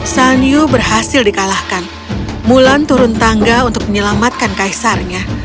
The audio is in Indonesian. shan yu berhasil dikalahkan mulan turun tangga untuk menyelamatkan kekaisarnya